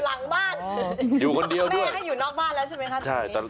แม่ก็อยู่นอกบ้านแล้วใช่มั้ยคะ